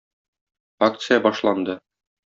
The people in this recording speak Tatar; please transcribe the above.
Акция башланды